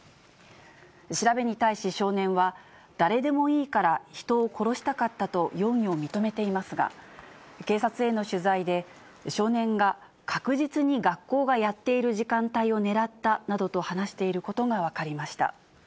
調べに対し少年は、誰でもいいから人を殺したかったと容疑を認めていますが、警察への取材で、少年が確実に学校がやっている時間帯を狙ったなどと話していることが分かりました。